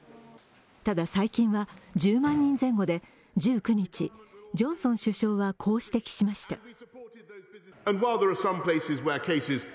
ただ、最近は１０万人前後で、１９日、ジョンソン首相はこう指摘しました。